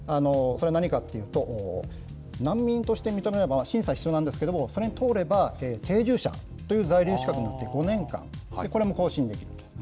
それは何かというと、難民として認めれば、審査が必要なんですけれども、それに通れば、定住者という在留資格になって５年間、これも更新です。